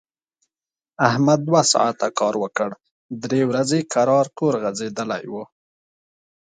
احمد دوه ساعت کار وکړ، درې ورځي کرار کور غځېدلی و.